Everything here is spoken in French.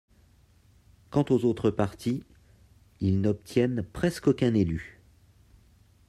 Quant aux autres partis, ils n’obtiennent presque aucun élu.